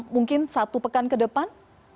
mungkin satu pekan ke depan